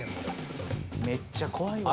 めっちゃ怖いわこれ。